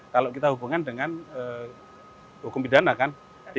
kalau kita hubungkan dengan hukum pidana kan